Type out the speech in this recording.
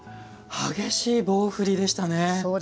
激しい棒振りでしたね。